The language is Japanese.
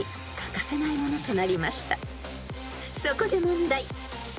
［そこで問題］